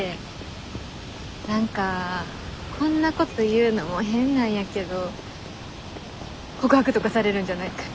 何かこんなこと言うのも変なんやけど告白とかされるんじゃないかって。